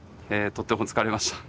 とっても疲れました。